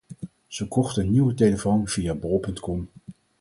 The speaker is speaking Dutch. Ze kocht een nieuwe telefoon via Bol.com.